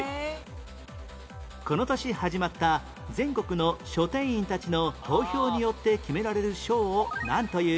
この年始まった全国の書店員たちの投票によって決められる賞をなんという？